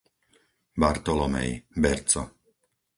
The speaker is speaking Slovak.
Bartolomej, Berco